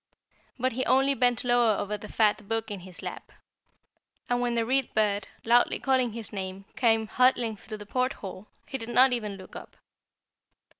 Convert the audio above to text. But he only bent lower over the fat book in his lap, and when the Read Bird, loudly calling his name, came hurtling through the port hole, he did not even look up.